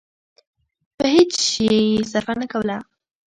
په هېڅ شي يې صرفه نه کوله.